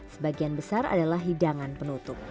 sebagian besar adalah hidangan penutup